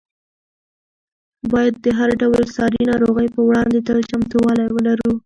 باید د هر ډول ساري ناروغۍ په وړاندې تل چمتووالی ولرو.